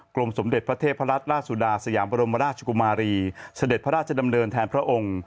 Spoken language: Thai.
สมเด็จพระเทพรัตนราชสุดาสยามบรมราชกุมารีเสด็จพระราชดำเนินแทนพระองค์